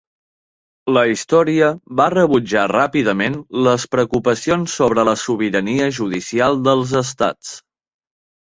La història va rebutjar ràpidament les preocupacions sobre la sobirania judicial dels estats.